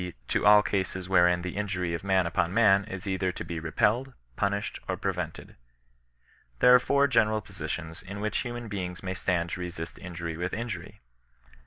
to all cases wherein the in jury of man upon man is either to be repelled, 'punished^ QxpreverUed, There are four general positions in which human beings may stand to resist injury with injury.